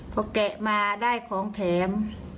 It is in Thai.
พอแกะมาได้ของแถม